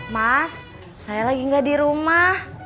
mas saya lagi nggak di rumah